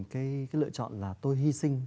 cái lựa chọn là tôi hy sinh